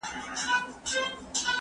که وخت وي، تکړښت کوم؟!